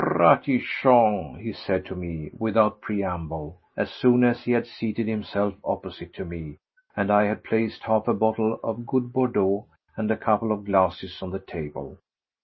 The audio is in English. "Ratichon," he said to me, without preamble, as soon as he had seated himself opposite to me, and I had placed half a bottle of good Bordeaux and a couple of glasses on the table.